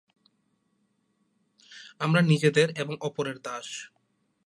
আমরা নিজেদের এবং অপরের দাস।